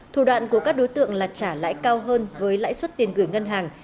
thủ đoạn của các đối tượng là trả lãi cao hơn với lãi suất tiền gửi ngân hàng